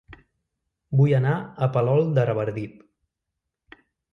Vull anar a Palol de Revardit